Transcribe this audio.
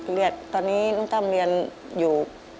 เลือดตอนนี้น้องต้ำเรียนอยู่